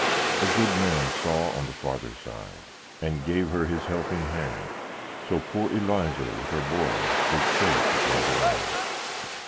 A good man saw on the farther side, And gave her his helping hand; So poor Eliza, with her boy, Stood safe upon the land.